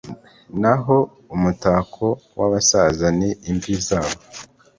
naho umutako w'abasaza ni imvi zabo